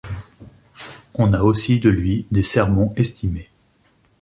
On a aussi de lui des sermons estimés.